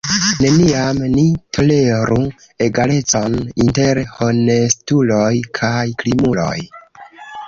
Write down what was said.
Neniam ni toleru egalecon inter honestuloj kaj krimuloj!